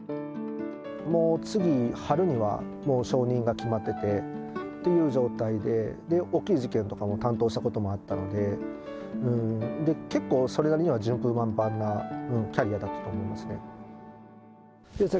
もう次、春にはもう昇任が決まってて、という状態で、大きい事件とかも担当したこともあったので、結構、それなりには順風満帆なキャリアだったと思いますね。